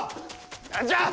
何じゃ！